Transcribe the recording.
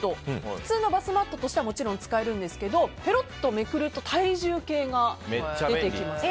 普通のバスマットとしてもちろん使えるんですけどペロッとめくると体重計が出てきます。